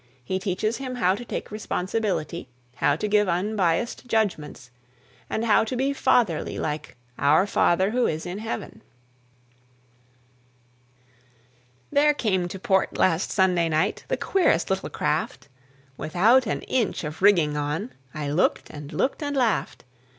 He teaches him how to take responsibility, how to give unbiased judgments, and how to be fatherly like "Our Father who is in Heaven." (1844 .) There came to port last Sunday night The queerest little craft, Without an inch of rigging on; I looked and looked and laughed.